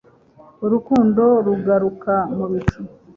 Urukundo ruguruka mu bicu